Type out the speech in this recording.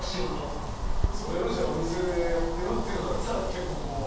それをじゃあお店でやってるっていうのは結構貴重な？